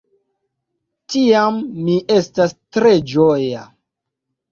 Tiam mi estas tre ĝoja.